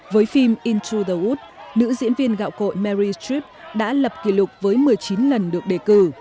với phim into the woods nữ diễn viên gạo cội mary streep đã lập kỷ lục với một mươi chín lần được đề cử